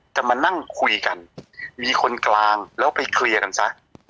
จะมานั่งคุยกันมีคนกลางแล้วไปเคลียร์กันซะ